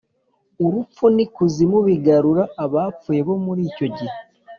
Urupfu n’Ikuzimu bigarura abapfuye bo muri icyo gihe